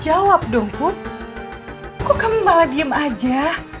jawab dong put kok kamu malah diem aja